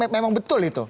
memang betul itu